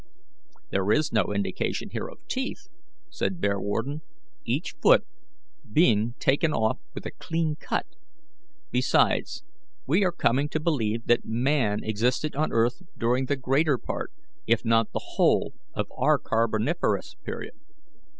"There is no indication here of teeth," said Bearwarden, "each foot being taken off with a clean cut. Besides, we are coming to believe that man existed on earth during the greater part, if not the whole, of our Carboniferous period."